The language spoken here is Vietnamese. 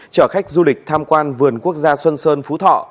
chở khách du lịch tham quan vườn quốc gia xuân sơn phú thọ